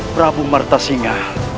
prabu mata singa